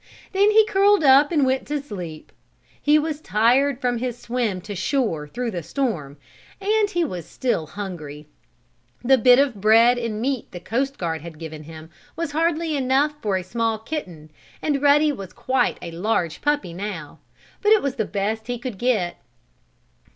Then he curled up and went to sleep. He was tired from his swim to shore through the storm, and he was still hungry. The bit of bread and meat the coast guard had given him was hardly enough for a small kitten, and Ruddy was quite a large puppy now. But it was the best he could get.